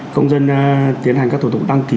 công dân tiến hành các thủ tục đăng ký